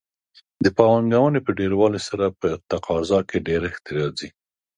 د پانګونې په ډېروالي سره په تقاضا کې ډېرښت راځي.